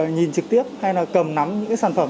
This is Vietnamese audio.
nhìn trực tiếp hay là cầm nắm những sản phẩm